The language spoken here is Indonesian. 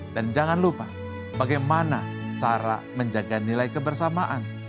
dan jangan lupa bagaimana cara menjaga nilai kebersamaan